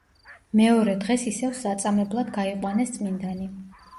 მეორე დღეს ისევ საწამებლად გაიყვანეს წმინდანი.